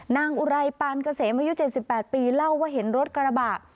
นางอุไรปานกระเสมยุด๗๘ปีเล่าว่าเห็นรถกระบาด